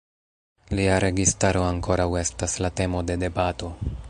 Lia registaro ankoraŭ estas la temo de debato.